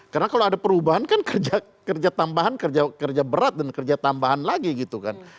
karena kalau ada perubahan kan kerja tambahan kerja berat dan kerja tambahan lagi gitu kan